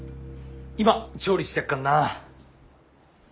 今調理してやっかんな。